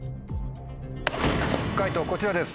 解答こちらです。